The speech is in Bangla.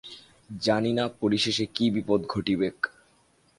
জানি না পরিশেষে কি বিপদ ঘটিবেক।